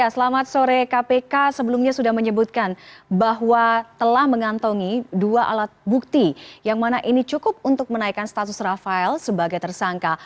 selamat sore kpk sebelumnya sudah menyebutkan bahwa telah mengantongi dua alat bukti yang mana ini cukup untuk menaikkan status rafael sebagai tersangka